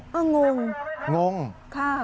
ก็งงงงค่ะ